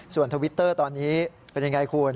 ส่วนทวิตเตอร์ตอนนี้เป็นยังไงคุณ